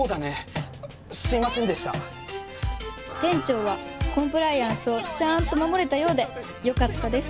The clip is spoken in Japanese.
店長はコンプライアンスをちゃんと守れたようでよかったです